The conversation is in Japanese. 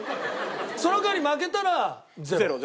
その代わり負けたら０。